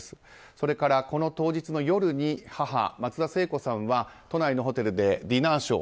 それから、この当日の夜に母・松田聖子さんは都内のホテルでディナーショー。